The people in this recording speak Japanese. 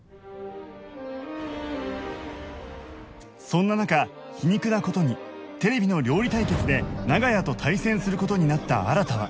そんな中皮肉な事にテレビの料理対決で長屋と対戦する事になった新は